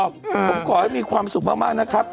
ผมขอให้มีความสุขมากนะครับ